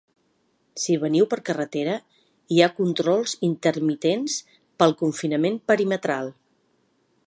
Si veniu per carretera, hi ha controls intermitents pel confinament perimetral.